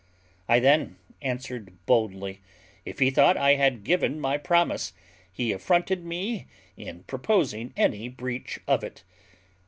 I then answered boldly, if he thought I had given my promise, he affronted me in proposing any breach of it.